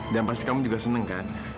dan pasti kamu juga seneng kan